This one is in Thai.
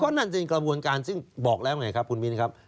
นั่นเป็นกระบวนการซึ่งบอกแล้วไงครับคุณมินครับ